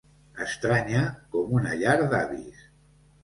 Estranya com una llar d'avis.